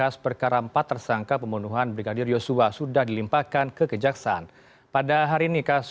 selamat siang pak ito